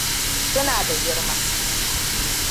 Suna da girma.